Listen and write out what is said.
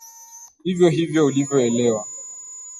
Hivyohivyo ulivyoelewa